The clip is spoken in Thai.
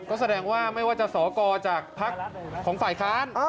ก็แสดงว่าไม่ว่าจะสอกรจากภักดิ์ของฝ่ายค้าน